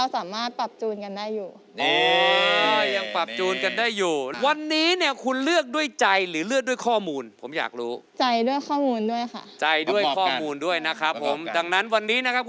ถ้ามาเป็นตอนที่สองมันจะยากอีกทีนี่ครับ